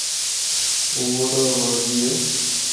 او بڈھا بنڑدی اے۔